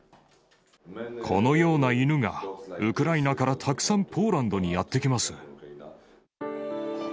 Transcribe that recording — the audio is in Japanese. このような犬が、ウクライナからたくさんポーランドにやって来ます。